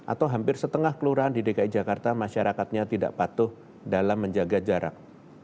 atau hampir setengah kelurahan di dki jakarta masyarakatnya tidak patuh dalam menjaga jarak